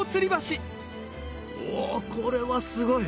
おこれはすごい！